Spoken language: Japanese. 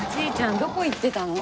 どこ行ってたの？